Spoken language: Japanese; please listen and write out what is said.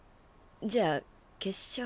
じゃあ決勝